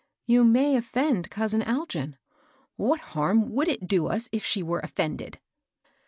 You may oflFend cousin Algin." " What harm would it do us if she were of fended?"